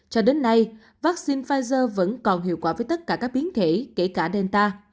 cho đến nay vaccine pfizer vẫn còn hiệu quả với tất cả các biến thể kể cả delta